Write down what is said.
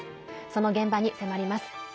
その現場に迫ります。